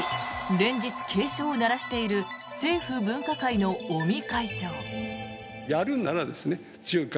連日警鐘を鳴らしている政府分科会の尾身会長。